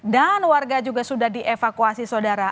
dan warga juga sudah dievakuasi saudara